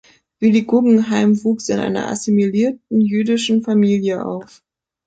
Willy Guggenheim wuchs in einer assimilierten jüdischen Familie auf.